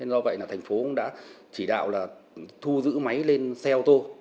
do vậy thành phố đã chỉ đạo thu giữ máy lên xe ô tô